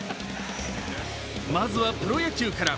まずは、プロ野球から。